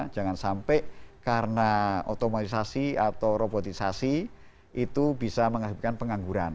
jangan sampai karena otomatisasi atau robotisasi itu bisa menghasilkan pengangguran